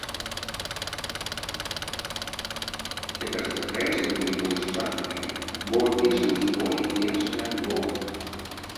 Цяпер сустрэчы будуць больш частымі, бо пішам свой першы альбом.